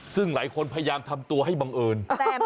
ซึ่งหลายคนพยายามทำตัวให้บังเอิญ